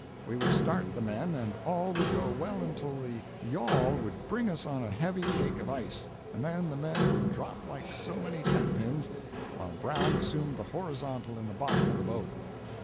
We would start the men, and all would go well until the yawl would bring us on a heavy cake of ice, and then the men would drop like so many tenpins, while Brown assumed the horizontal in the bottom of the boat.